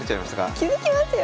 気付きますよ。